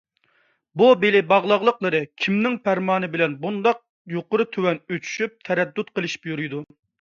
بۇ بېلى باغلاقلىقلىرى كىمنىڭ پەرمانى بىلەن بۇنداق يۇقىرى - تۆۋەن ئۇچۇشۇپ تەرەددۇت قىلىشىپ يۈرىدۇ؟